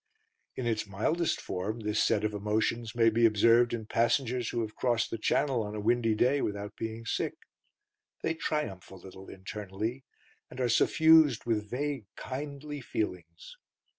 In its mildest form this set of emotions may be observed in passengers who have crossed the Channel on a windy day without being sick. They triumph a little internally, and are suffused with vague, kindly feelings.